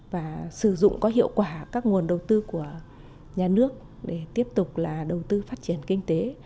và sử dụng có hiệu quả các nguồn đầu tư của nhà nước để tiếp tục là đầu tư phát triển kinh tế